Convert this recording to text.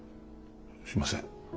すいません。